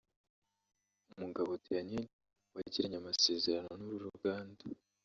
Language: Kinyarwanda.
Mugabo Daniel wagiranye amasezerano n’uru ruganda